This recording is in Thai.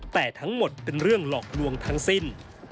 แต่ทั้งหมดเป็นเรื่องหลอกลวงทั้งสิ้น